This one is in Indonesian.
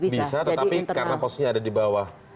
bisa tetapi karena posisi ada di bawah